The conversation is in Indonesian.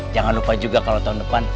jangan lupa juga kalau tahun depan